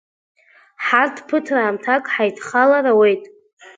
Ҳарҭ ԥыҭраамҭак ҳаидхалар ауеит.